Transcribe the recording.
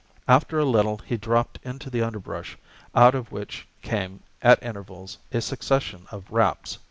After a little he dropped into the underbrush, out of which came at intervals a succession of raps.